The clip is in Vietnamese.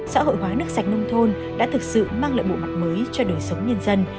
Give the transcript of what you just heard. xã hội hóa nước sạch nông thôn đã thực sự mang lại bộ mặt mới cho đời sống nhân dân